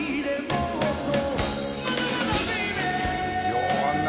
ようあんな